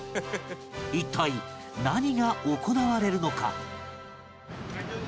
一体何が行われるのか？